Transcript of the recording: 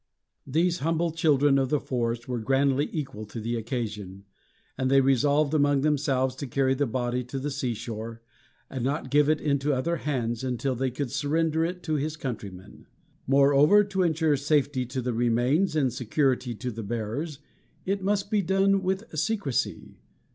These humble children of the forest were grandly equal to the occasion, and they resolved among themselves to carry the body to the seashore, and not give it into other hands until they could surrender it to his countrymen. Moreover, to insure safety to the remains and security to the bearers, it must be done with secrecy.